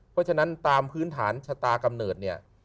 เพราะฉะนั้นตามพื้นฐานชะตากำเนิดเนี่ย